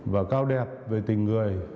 và cao đẹp về tình người